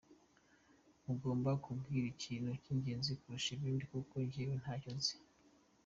Mugomba kumbwira ikintu cy'ingenzi kurusha ibindi kuko jyewe ntacyo nzi.